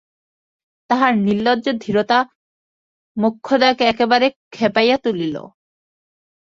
তাহার নির্লজ্জ ধীরতা মোক্ষদাকে একেবারে খেপাইয়া তুলিল।